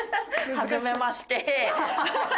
はじめまして。